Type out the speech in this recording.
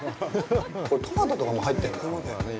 これ、トマトとかも入ってるんだろうね。